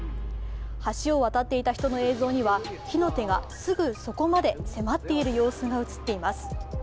橋を渡っていた人の映像には火の手がすぐそこまで迫っている様子が映っています。